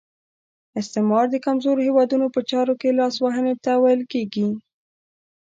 استعمار د کمزورو هیوادونو په چارو کې لاس وهنې ته ویل کیږي.